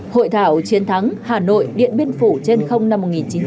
hội thảo chiến thắng hà nội điện biên phủ trên không năm một nghìn chín trăm bảy mươi